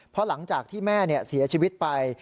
เพราะหลังจากที่แม่เสียชีวิตไป